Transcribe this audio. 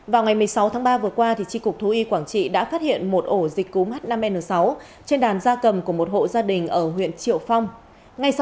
vào ngày một mươi sáu tháng ba vừa qua tri cục thú y quảng trị đã phát hiện một ổ dịch cúm h năm n sáu trên đàn da cầm của một hộ gia đình ở huyện triệu phong